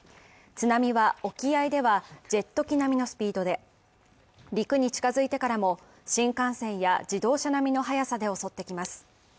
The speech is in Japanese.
津波は沖合では、ジェット機並みのスピードで陸に近づいてからも、新幹線や自動車並みの速さで襲ってきます。